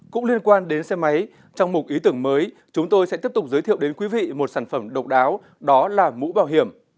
cũng liên quan đến xe máy trong một ý tưởng mới chúng tôi sẽ tiếp tục giới thiệu đến quý vị một sản phẩm độc đáo đó là mũ bảo hiểm